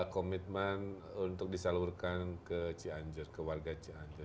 komitmen untuk disalurkan ke cianjur ke warga cianjur